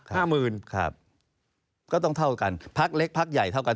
ห้าหมื่นครับก็ต้องเท่ากันพักเล็กพักใหญ่เท่ากัน